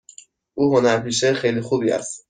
او هنرپیشه خیلی خوبی است.